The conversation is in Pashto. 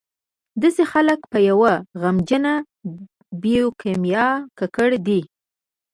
داسې خلک په یوه غمجنه بیوکیمیا ککړ دي.